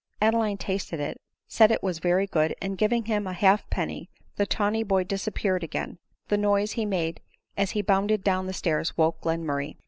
Adeline tasted it, said it was very good, and giving him a halfpenny, the tawny boy disap peared again ; the noise he made as he bounded down the stairs woke Glenmurray.